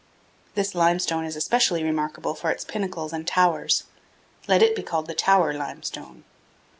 This limestone is especially remarkable for its pinnacles and towers. Let it be called the tower limestone.